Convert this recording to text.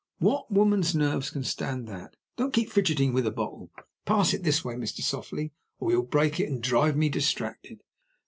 What woman's nerves can stand that? Don't keep fidgeting with the bottle! Pass it this way, Mr. Softly, or you'll break it, and drive me distracted."